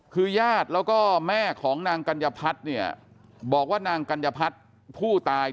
คือญาติแล้วก็แม่ของนางกัญญพัฒน์เนี่ยบอกว่านางกัญญพัฒน์ผู้ตาย